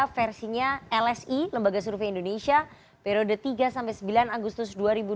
versinya lsi lembaga survei indonesia periode tiga sampai sembilan agustus dua ribu dua puluh